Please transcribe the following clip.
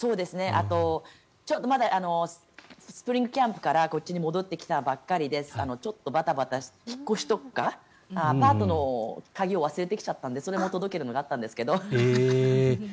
あと、スプリングキャンプからこっちに戻ってきたばかりでちょっとバタバタ引っ越しとか、アパートの鍵を忘れてきちゃったのでそれを届けるのもあったんですけど。